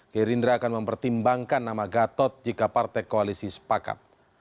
gerindra akan mempertimbangkan nama gatot jika partai koalisi sepakat